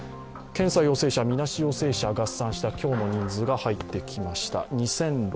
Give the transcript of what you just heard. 検査陽性者、みなし陽性者合算した今日の人数が入ってきました。